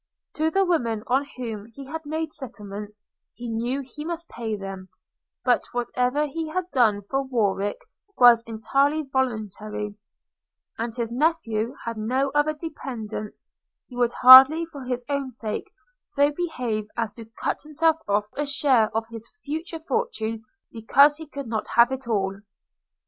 To the women on whom he had made settlements, he knew he must pay them; but whatever he had done for Warwick was entirely voluntary; and as his nephew had no other dependence, he would hardly, for his own sake, so behave as to cut himself off from a share of his future fortune because he could not have it all.